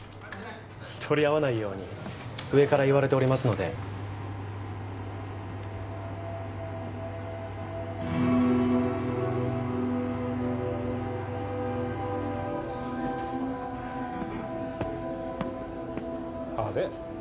取り合わないように上から言われておりますのであれ？